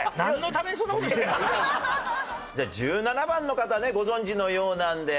じゃあ１７番の方ねご存じのようなので。